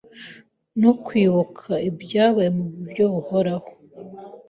no kwibuka ibyabaye mubryo buhoraho